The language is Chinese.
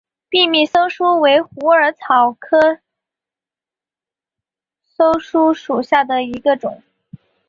波密溲疏为虎耳草科溲疏属下的一个种。